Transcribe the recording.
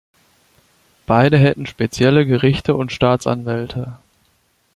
Beide hätten spezielle Gerichte und Staatsanwälte.